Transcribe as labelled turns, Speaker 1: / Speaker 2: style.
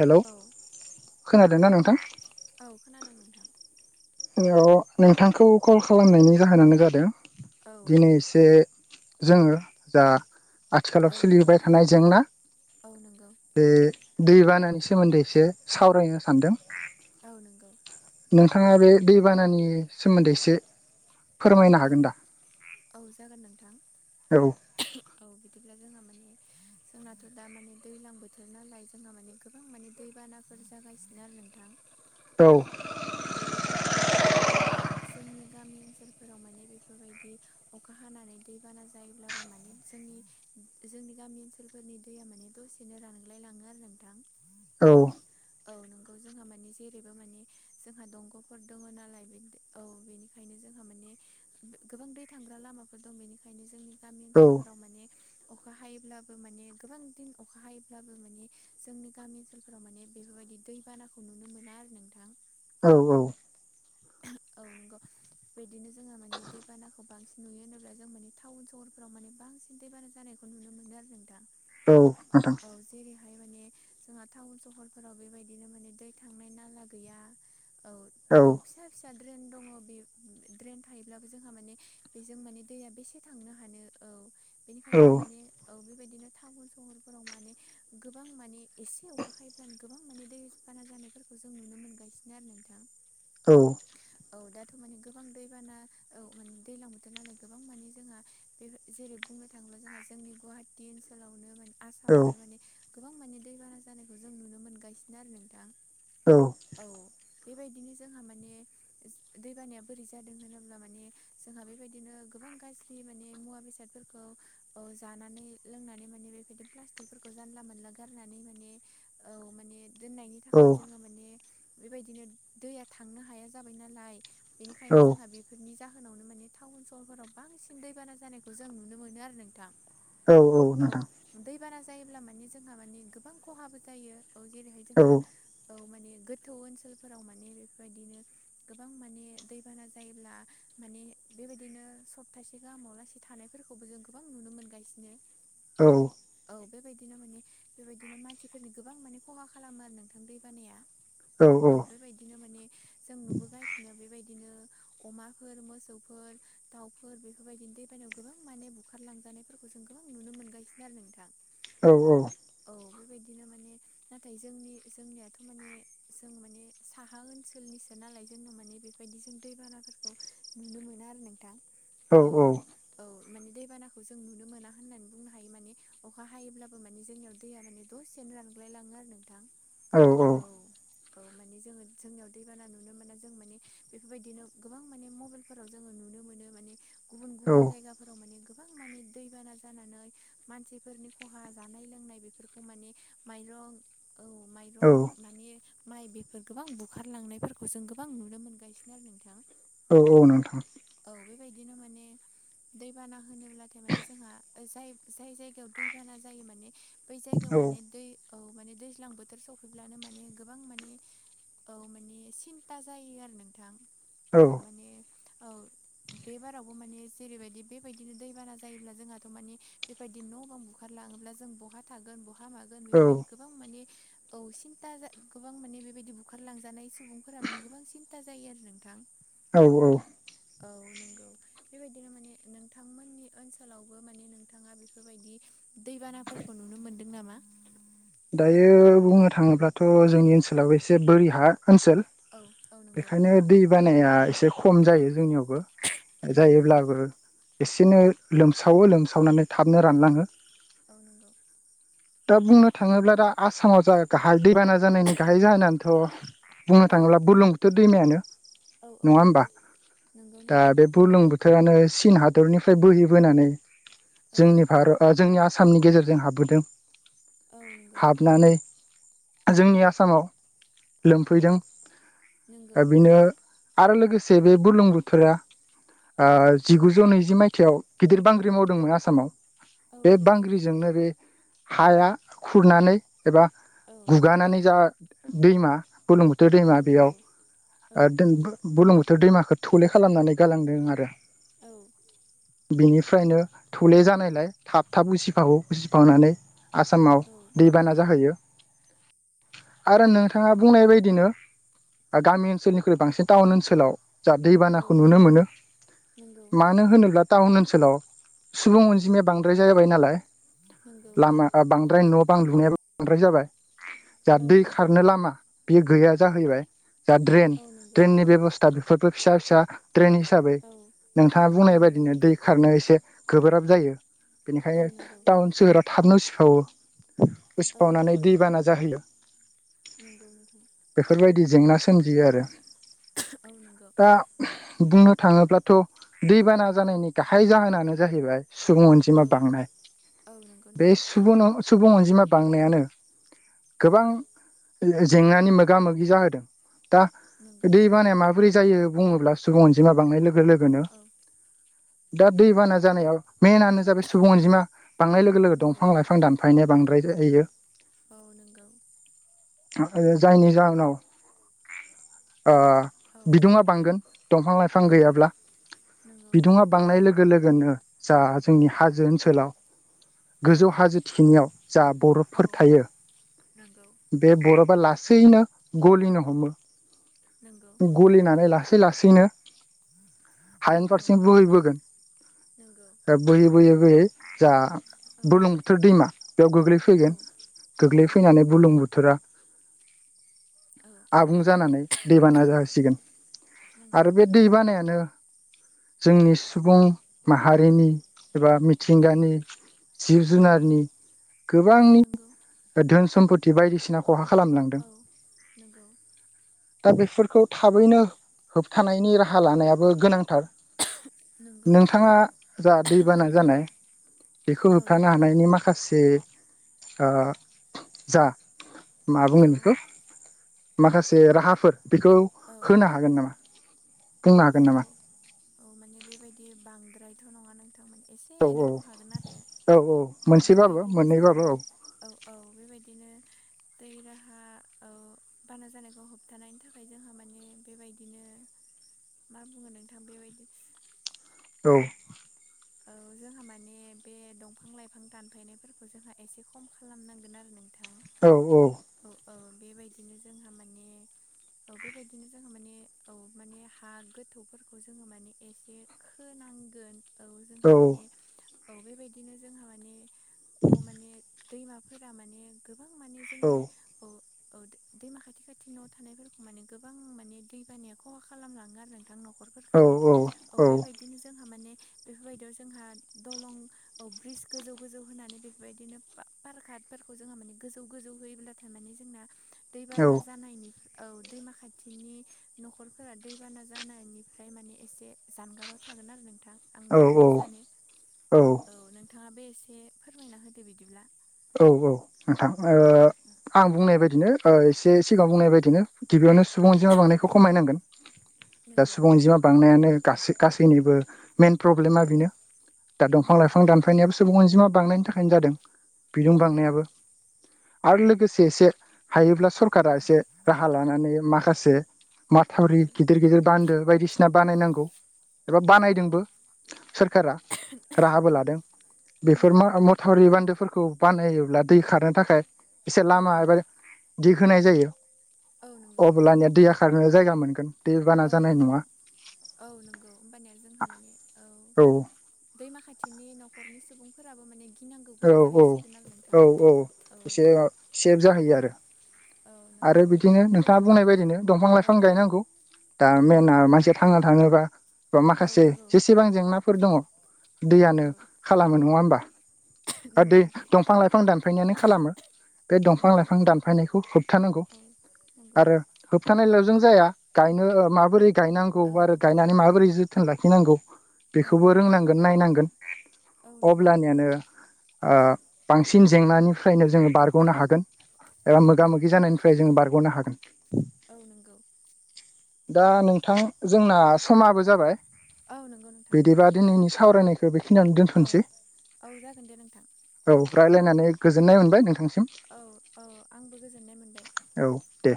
Speaker 1: Hello
Speaker 2: औ
Speaker 1: खोनादोंना नोंथां
Speaker 2: औ खोनादों नोंथां।
Speaker 1: औ नोंथांखौ कल खालामनायनि जाहोनानो जादों
Speaker 2: औ
Speaker 1: दिनै एसे जोङो दा आथिखालाव
Speaker 2: औ नंगौ
Speaker 1: सोलिबोबाय थानाय जेंना।
Speaker 2: औ नंगौ
Speaker 1: बे दैबानानि सोमोन्दै एसे सावरायनो सानदों।
Speaker 2: औ नंगौ।
Speaker 1: नोंथाङा बे दैबानानि सोमोन्दै एसे फोरमायनो
Speaker 2: औ
Speaker 1: हागोन दा?
Speaker 2: औ जागोन नोंथां।
Speaker 1: औ।
Speaker 2: औ बिदिब्ला जोंहा माने जोंनाथ' दा माने दैलां बोथोर नालाय जोंहा माने गोबां माने दैबानाफोर जागासिनो आरो नोंथां।
Speaker 1: औ।
Speaker 2: औ बेबायदिनो जोंहा माने जोंनि गामि ओनसोलफोराव माने बेफोरबायदि अखा हानानै दैबाना जायोब्लाबो माने जोंनि जोंनि गामि ओनसोलफोरनि दैया माने दसेनो रानग्लायलाङो आरो नोंथां।
Speaker 1: औ।
Speaker 2: औ नंगौ जोंहा मानि जेरैबो मानि जोंहा दंग'फोर दङ नालाय औ बेनिखायनो जोंहा माने गोबां दै थांग्रा लामाफोर दं बेनिखायनो जोंनि गामि
Speaker 1: औ
Speaker 2: ओनसोलफोराव माने अखा हायोब्लाबो माने गोबां दिन अखा हायोब्लाबो माने जोंनि गामि ओनसोलफोराव माने बेफोरबायदि दैबानाखौ नुनो मोना आरो नोंथां।
Speaker 1: औ औ।
Speaker 2: औ नंगौ। बिदिनो जोङो माने दैबानाखौ बांसिन नुयो होनोब्ला जों माने टाउन सहरफ्राव माने बांसिन दै बाना जानायखौ नुनो मोनो आरो नोंथां।
Speaker 1: औ नोंथां।
Speaker 2: औ जेरैहाय माने जोंहा टाउन सहरफोराव बेबायदिनो माने दै थांनाय नाला गैया औ।
Speaker 1: औ
Speaker 2: फिसा फिसा ड्रेन दङ बे ड्रेन थायोब्लाबो जोंहा माने बेजों माने दैया बेसे थांनो हानो। औ
Speaker 1: औ
Speaker 2: बेनिखायनो माने औ बेबायदिनो टाउन सहरफोराव माने गोबां माने एसे अखा हायोब्लानो गोबां माने दै बाना जानायफोरखौ जों नुनो मोनगासिनो आरो नोंथां।
Speaker 1: औ।
Speaker 2: औ दाथ' माने गोबां दैबाना औ माने दैलां बोथोर नालाय गोबां माने जोंहा बे जेरै बुंनो थाङोब्ला जोंहा जोंनि गुवाहाटि ओनसोलावनो माने आसामावनो माने गोबां माने दैबाना जानायखौ जों नुनो मोनगासिनो आरो नोंथां।
Speaker 1: औ।
Speaker 2: औ बेबायदिनो जोंहा माने दैबानाया बोरै जादों होनोब्ला माने जोंहा बेबायदिनो गोबां गाज्रि माने मुवा बेसादफोरखौ। औ जानानै लोंनानै माने बेबायदि प्लास्टिकफोरखौ जानला मोनला गारनानै माने औ माने दोननायनि थाखाय जोङो माने बेबायदिनो दैया थांनो हाया जाबाय नालाय
Speaker 1: औ
Speaker 2: बेनिखायनो जोंहा बे बेफोरनि जाहोनावनो माने टाउन सहरफोराव बांसिन दैबाना जानायखौ जों नुनो मोनो आरो नोंथां।
Speaker 1: औ
Speaker 2: औ
Speaker 1: नोंथां
Speaker 2: दैबाना जायोब्ला माने जोंहा माने गोबां खहाबो जायो औ जेरैहाय
Speaker 1: औ
Speaker 2: जोंहा औ माने गोथौ ओनसोलफोराव माने बेफोरबायदिनो गोबां माने दैबाना जायोब्ला माने बेबायदिनो सप्तासे गाहामाव लासै थां थानायफोरखौबो जों गोबां नुनो मोनगासिनो।
Speaker 1: औ।
Speaker 2: औ बेबायदिनो माने बेबायदिनो मानसिफोरनि गोबां माने खहा खालामो आरो नोंथां दै बानाया। औ बेबायदिनो माने जों नुबोगासिनो बेबायदिनो अमाफोर मोसौफोर। दाउफोर बेफोरबायदि दै बानानायाव गोबां माने बुखारलांजानायफोरखौ जों गोबां नुनो मोनगासिनो आरो नोंथां।
Speaker 1: औ औ।
Speaker 2: औ बेबायदिनो माने। नाथाय जोंनि जोंनियाथ माने जों माने साहा ओनसोलनिसो नालाय। जोनो माने बेफोरबायदि जों दै बानाफोरखौ नुनो मोना आरो नोंथां औ। औ माने दैबानाखौ जों नुनो मोना होननानै बुंनो हायो माने। अखा हायोब्लाबो माने जोंनियाव दैया माने दसेनो रानग्लायलाङो आरो नोंथां। औ औ माने जोङो जोंनियाव दैबाना नुनो मोना जों माने बेफोरबायदिनो गोबां माने मबाइल जोंङो नुनो मोनो माने गुबुन
Speaker 1: औ
Speaker 2: गुबुन जाया फोराव माने गोबां माने दैबाना जानानै। मानसिफोरनि खहा जानाय लोंनाय बेफोरखौ माने माइरं। औ
Speaker 1: औ
Speaker 2: माइरं माने माइ बेफोर गोबां बुखारलांनायफोरखौ जों। बां नुनो मोनगासिनो आरो नोंथां।
Speaker 1: औ औ नोंथां।
Speaker 2: औ बेबायदिनो माने। दैबाना होनोब्लाथाय माने जोंहा जाय जाय जायगायाव दैबाना जायो माने। बै जायगायाव
Speaker 1: औ
Speaker 2: माने दै। औ माने दैज्लां बोथोर सफैब्लानो माने गोबां माने औ माने सिन। था जायो आरो नोंथां औ माने औ। बेबारावबो माने जेरैबायदि बेबायदिनो दैबाना जायोब्ला जोंहाथ माने बेबायदि न बां बुख। खारलाङोब्ला जों बहा थागोन बहा मा गोन
Speaker 1: औ
Speaker 2: बेफोर बादि गोबां माने औ सिन्था जा गोबां माने बेबायदि बुखारलांजानाय सुबुं। फोरा माने गोबां सिन्था जायो आरो नोंथां।
Speaker 1: औ औ।
Speaker 2: औ नंगौ। बेबायदिनो माने नोंथांमोननि ओनसोलावबो माने नोंथाङा बेफोरबायदि। दैबानाफोरखौ नुनो मोनदों नामा।
Speaker 1: दायो बुंनो थाङोब्लाथ
Speaker 2: औ
Speaker 1: जोंनि
Speaker 2: औ
Speaker 1: ओनसोलाव एसे बोरि हा ओनसोल।
Speaker 2: औ औ नंगौ
Speaker 1: बेखायनो दै बानाया एसे खम
Speaker 2: औ
Speaker 1: जायो जोंनियावबो।
Speaker 2: नंगौ नोंथां
Speaker 1: जायोब्लाबो एसेनो लोमसावो लोमसावनानै थाबनो
Speaker 2: औ औ
Speaker 1: रानलाङो।
Speaker 2: औ नंगौ
Speaker 1: दा बुंनो थाङोब्ला दा आसामाव जा गाहार दैबाना जानायनि। गाहाय जाहोन होननानैथ बुंनो
Speaker 2: औ
Speaker 1: थाङोब्ला बुरलुंबुथुर दैमायानो।
Speaker 2: औ औ नंगौ नंगौ नोंथां।
Speaker 1: गुरलुंबुथुरानो चिन हादरनिफ्राय बोहैबोनानै
Speaker 2: औ
Speaker 1: जोंनि भारत। ओ-जोंनि आसामनि गेजेरजों हाबबोदों।
Speaker 2: औ नोंगौ
Speaker 1: नानै जोंनि आसामाव लोमफैदों।
Speaker 2: नंगौ
Speaker 1: दा बेनो आरो लोगोसे बे बुरलुंबुथुरा। ओ-जिगुजौ नैजि मायथाइाव गिदिर बांग्रि मावदोंमोन आसामाव।
Speaker 2: औ
Speaker 1: बे
Speaker 2: नंगौ
Speaker 1: बांग्रिजोंनो बे हाया। खुरनानै एबा
Speaker 2: औ
Speaker 1: गुगानानै जा दैमा बुलुं थुर
Speaker 2: औ
Speaker 1: दैमा
Speaker 2: नंगौ औ
Speaker 1: बेयाव बुर्लंबुथुर दैमाखौ थले खालामनानै गालांदों आरो।
Speaker 2: औ
Speaker 1: बिनिफ्रायनो थौले जानायलाय थाब थाब उसिफावो उसिफावनानै। आसामाव
Speaker 2: औ
Speaker 1: दैबाना जाहैयो आरो नों बिथोंङा बुंनाय बायदिनो गामि ओनसोलनिख्रुइ बांसिन टाउन ओनसोलाव। जा
Speaker 2: औ
Speaker 1: दैबानाखौ नुनो मोनो मा
Speaker 2: नंगौ
Speaker 1: मानो होनोब्ला टाउन ओनसोलाव सुबुं अनजिमाया बांद्राय जायाबाय नालाय
Speaker 2: नंगौ
Speaker 1: लामा। बांद्राय न' बां लुनायाबो बांद्राय जाबाय जाहा
Speaker 2: औ
Speaker 1: दै
Speaker 2: नंगौ
Speaker 1: खारनो लामा बे गैया जाहैबाय जहा ड्रेन
Speaker 2: औ नंगौ
Speaker 1: ड्रेननि बेब'स्था बेफोरबो फिसा फिसा ट्रेन हिसाबै
Speaker 2: औ
Speaker 1: नोंथाङा बुंनाय
Speaker 2: नंगौ
Speaker 1: बायदिनो दै खारनो एसे गोब्राब जायो बेनिखायनो
Speaker 2: औ नंगौ
Speaker 1: टाउन सोहोरा थाबनो उसिफावो
Speaker 2: औ
Speaker 1: उसिफावनानै दैबाना जाहैयो
Speaker 2: नोंगौ नोंथां
Speaker 1: बेफोरबायदि जेंना सोमजियो आरो
Speaker 2: औ नोंगौ
Speaker 1: दा बुंनो थाङोब्लाथ' दैबाना जानायनि गाहाय जाहोनानो जाहैबाय सुबुं अनजिमा
Speaker 2: औ
Speaker 1: बांनाय
Speaker 2: औ नंगौ
Speaker 1: बे
Speaker 2: नोंथां
Speaker 1: सुबुं अनजिमा बांनायानो
Speaker 2: औ
Speaker 1: गोबां जेंनानि मोगा मोगि जाहोदों दा
Speaker 2: नंगौ
Speaker 1: दै बानाया मा बोरै जायो बुङोब्ला सुबुं अनजिमा बांनाय लोगो
Speaker 2: औ
Speaker 1: लोगोनो
Speaker 2: औ
Speaker 1: दा दैबाना जानायाव मेनानो जाबाय सुबुं अनजिमा बांनाय लोगो लोगो दं
Speaker 2: नंगौ
Speaker 1: फां दानफायनाया बांद्राय जायो
Speaker 2: औ नोंगौ
Speaker 1: जायनि जाहोनाव
Speaker 2: औ
Speaker 1: बिदुङा बांगोन दंफां लाइफां
Speaker 2: नंगौ
Speaker 1: गैयाब्ला
Speaker 2: नंगौ
Speaker 1: बिदुङा बांनाय लोगो लोगोनो जा जोंनि हाजो ओनसोलाव
Speaker 2: औ
Speaker 1: गोजौ हाजो थिनियाव जा बर'फोर थायो
Speaker 2: नंगौ
Speaker 1: बे बरफा लासैनो गलिनो हमो
Speaker 2: नंगौ
Speaker 1: गलिनानै लासै लासैनो
Speaker 2: औ
Speaker 1: हान्रेन पारसेन्ट
Speaker 2: नंगौ
Speaker 1: बोहैबोगोन बोयै बोयै बोयै जा
Speaker 2: औ
Speaker 1: बुलुं बोथोर दैमा बेयाव गोग्लैफैगोन
Speaker 2: औ नंगौ
Speaker 1: गोग्लैफैनानै बुलुं बुथोरा
Speaker 2: औ
Speaker 1: आबुं जानानै दैबाना जासिगोन
Speaker 2: नंगौ नंगौ
Speaker 1: आरो बे दै बानायानो जोंनि सुबुं माहारिनि एबा
Speaker 2: औ
Speaker 1: मिथिंगानि जिब
Speaker 2: औ
Speaker 1: जुनारनि
Speaker 2: औ
Speaker 1: गोबांनि
Speaker 2: नंगौ
Speaker 1: धोन सम्पत बायदिसिना खहा खालामलांदों
Speaker 2: औ नंगौ
Speaker 1: दा बेफोरखौ थाबैनो होबथानायनि राहा लानायाबो गोनांथार
Speaker 2: नंगौ
Speaker 1: नोंथाङा जा
Speaker 2: औ
Speaker 1: दैबाना जानाय बेखौ
Speaker 2: औ
Speaker 1: होबथानो
Speaker 2: नंगौ
Speaker 1: हानायनि माखासे जा मा
Speaker 2: औ
Speaker 1: बुंगोन बेखौ माखासे राहाफोर बेखौ
Speaker 2: औ
Speaker 1: होनो हागोन नामा बुंनो
Speaker 2: औ
Speaker 1: हागोन नामा
Speaker 2: औ माने बेबायदि बांद्रायथ' नङा नोंथांमोन एसे
Speaker 1: औ औ
Speaker 2: एनैखौ हागोन आरो औ बेबायदिनो जोंहामोन औ औ बेबायदिनो दै राहा औ बाना जानायखौ होबथानायनि थाखाय जोंहा माने बेबायदिनो मा बुङो नोंथां बेबायदि
Speaker 1: औ
Speaker 2: औ जोंहा माने बे दंफां लाइफां दानफायनायफोरखौ जोंहा एसे खम खालामनांगोन आरो नोंथां औ औ बेबायदिनो जोंहा माने औ बेबायदिनो जोङो माने औ माने हा गोथौफोरखौ जोङो माने एसे होनांगोन औ जोंहा माने औ बेबायदिनो जोंहा माने औ माने दैमाफोरा माने गोबां माने
Speaker 1: औ
Speaker 2: जोंनि औ दैमा खाथि खाथि न' थानायफोरखौ माने गोबां माने दैबानाया खहा खालामलाङो आरो नोंथांनाव
Speaker 1: औ
Speaker 2: नखरफोरखौ औ बेबायदिनो जोंहा माने बेफोरबायदियाव जोंहा दलं ब्रिज गोजौ गोजौ होनानै बेफोरबायदिनो पारकतफोरखौ जोंहा माने गोजौ गोजौ होयोब्ला थारमाने जोंना दैबाना जानायनि औ दैमा खाथिनि न'खरफोरा दैबाना जानायनिफ्राय माने एसे जानगाराव थागोन आरो नोंथां आं बेखौनो सानो औ। नोंथाङा बे एसे फोरमायना होदो बिदिब्ला।
Speaker 1: औ औ नोंथां ओ आं बुंनाय बायदिनो एसे सिगाङाव बुंनाय बायदिनो गिबियावनो सुबुं अमा बांनायखौ खमायनांगोन। दा
Speaker 2: नंगौ
Speaker 1: सुबुं अनजिमा बांनायानो गासै गासैनिबो मेन प्रब्लेमा
Speaker 2: औ
Speaker 1: बेनो दा दंफां
Speaker 2: नंगौ
Speaker 1: लाइफां दानफायनायाबो सुबुं अनजिमा बांनायनि थाखायनो जादों। बिदुं
Speaker 2: नंगौ
Speaker 1: बांनायाबो आरो लोगोसे एसे हायोब्ला सरखारारा एसे राहा लानानै माखासे माथावरि
Speaker 2: औ
Speaker 1: गिदिर गिदिर बान्दो बायदिसिना बानायनांगौ एबा
Speaker 2: औ
Speaker 1: बानायदोंबो सोरखारा राहाबो
Speaker 2: नंगौ
Speaker 1: लादों बेफोर
Speaker 2: नंगौ
Speaker 1: मा मथावरि बान्दोफोरखौ बानहयोब्ला दै खारनो थाखाय एसे
Speaker 2: औ
Speaker 1: लामा
Speaker 2: औ
Speaker 1: एबा दि होनाय जायो
Speaker 2: औ नंगौ
Speaker 1: अब्ला आंनिया दैया खारनो जायगा मोनगोन दैबाना
Speaker 2: औ
Speaker 1: जानाय
Speaker 2: नंगौ
Speaker 1: नङा
Speaker 2: औ नंगौ होमबानिया जोंहा माने औ दैमा खाथिनि न'खरनि सुबुंफोराबो माने गिनांगौ गैया
Speaker 1: औ औ
Speaker 2: जाहैसिगोन आरो नोंथां
Speaker 1: औ औ एसे सेभ जाहैयो आरो
Speaker 2: औ
Speaker 1: आरो
Speaker 2: नंगौ
Speaker 1: बिदिनो
Speaker 2: बेबाय
Speaker 1: नोंथाङा बुंनाय बायदिनो दंफां
Speaker 2: औ
Speaker 1: लाइफां
Speaker 2: औ
Speaker 1: गायनांगौ दा
Speaker 2: औ
Speaker 1: मेन
Speaker 2: नंगौ
Speaker 1: मानसिया थांना थाङोबा
Speaker 2: औ
Speaker 1: माखासे
Speaker 2: नंगौ
Speaker 1: जेसेबां जेंनाफोर दङ
Speaker 2: औ
Speaker 1: दैयानो
Speaker 2: नंगौ
Speaker 1: खालामो नङा होमबा आरो
Speaker 2: नंगौ
Speaker 1: दै
Speaker 2: नोंथां
Speaker 1: दंफां लाइफां दानफायनायानो खालामो बे
Speaker 2: औ
Speaker 1: दंफां
Speaker 2: नंगौ
Speaker 1: लाइफां दानफायनायखौ होबथानांगौ
Speaker 2: औ नंगौ
Speaker 1: होबथानायल' जों जाया गायनो माबोरै गायनांगौ
Speaker 2: औ
Speaker 1: ब आरो गायनानै माबोरै ज जोथोन लाखिनांगौ
Speaker 2: औ
Speaker 1: बेखौबो
Speaker 2: नंगौ
Speaker 1: रोंनांगोन नायनांगोन
Speaker 2: औ नंगौ
Speaker 1: अब्लानियानो बांसिन जेंनानिफ्रायनो जोङो बारग'नो हागोन एबा
Speaker 2: औ
Speaker 1: मोगा
Speaker 2: नंगौ
Speaker 1: मोगि जानायनि फ जों बारग'नो हागोन
Speaker 2: औ नोंगौ
Speaker 1: दा नोंथां जोंना समाबो जाबाय
Speaker 2: औ नंगौ नोंथां
Speaker 1: बिदिबा दिनैनि सावरायनायखौ बेखिनियानो
Speaker 2: औ
Speaker 1: दोनथ'नोसै
Speaker 2: औ जागोन दे नोंथां
Speaker 1: औ रायज्लायनानै गोजोननाय मोनबाय नोंथांसिम
Speaker 2: औ औ आंबो गोजोननाय मोनबाय
Speaker 1: औ दे